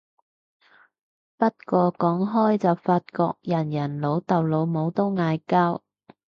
不過講開就發覺人人老豆老母都嗌交